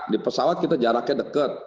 di pesawat kita jaraknya dekat